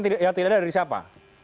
tidak ada dari siapa